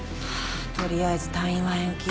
とりあえず退院は延期。